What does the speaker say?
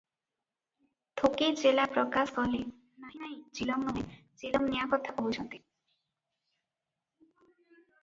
ଥୋକେ ଚେଲା ପ୍ରକାଶ କଲେ, "ନାହିଁ ନାହିଁ ଚିଲମ ନୁହେଁ, ଚିଲମ ନିଆଁ କଥା କହୁଛନ୍ତି ।"